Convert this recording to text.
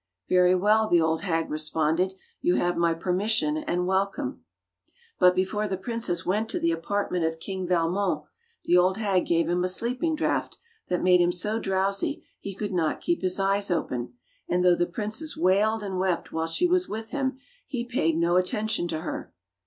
"Very well," the old hag responded, "you have my permission and welcome." But before the princess went to the apart ment of King Valmon, the old hag gave him a sleeping draught that made him so drowsy he could not keep his eyes open; and though the princess wailed and wept while she was with him he paid no attention to her.